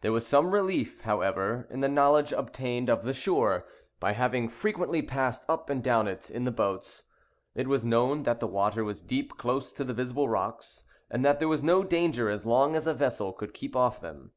There was some relief, however, in the knowledge obtained of the shore, by having frequently passed up and down it in the boats. It was known that the water was deep close to the visible rocks, and that there was no danger as long as a vessel could keep off them.